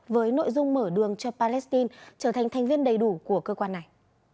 với nội dung mở đường cho palestine trở thành thành viên đầy đủ của cơ quan này